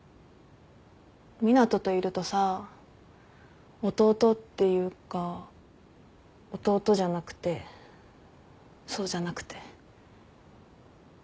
湊斗といるとさ弟っていうか弟じゃなくてそうじゃなくて。